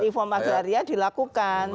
reform agraria dilakukan